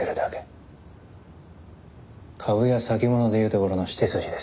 株や先物で言うところの仕手筋ですよ。